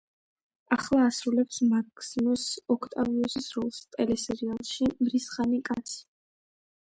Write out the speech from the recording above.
ახლა ასრულებს მაქსიმუს ოქტავიუსის როლს ტელესერიალში „მრისხანე კაცი“.